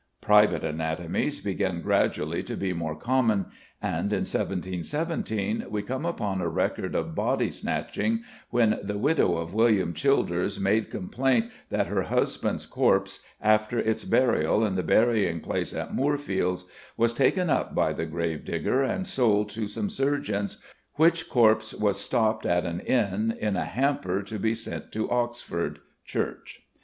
"Private anatomies" began gradually to be more common, and in 1717 we come upon a record of "body snatching," when "the widow of William Childers made complaint that her husband's corps, after its buryal in the burying place in Moorfields, was taken up by the gravedigger and sold to some surgeons, which corps was stopped at an inn in a hamper to be sent to Oxford" (Church).